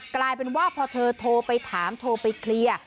กลายเป็นว่าพอเธอโทรไปถามโทรไปเคลียร์